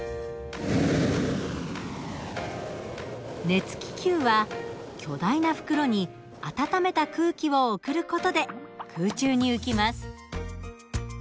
熱気球は巨大な袋に暖めた空気を送る事で空中に浮きます。